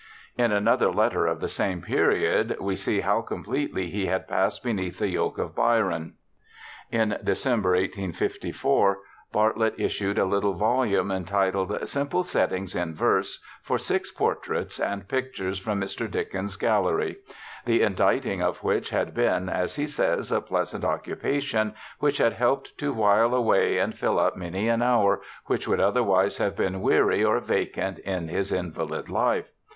In another letter of the same period we see how completely he had passed beneath the yoke of Byron. In December, 1854, Bartlett issued a little volume entitled, Simple Settings in Verse, for Six Portraits and Pictures from Mr. Dickens's Gallery, the inditing of which had been, as he says, a pleasant occupation which had helped to while away and fill up many an hour which would otherwise have been weary or vacant in his invalid life.